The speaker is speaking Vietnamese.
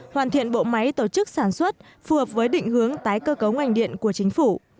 hoàn thiện bộ máy tổ chức sản xuất phù hợp với định hướng tái cơ cấu ngành điện của chính phủ